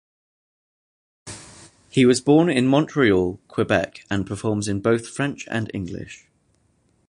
He was born in Montreal, Quebec and performs in both French and English.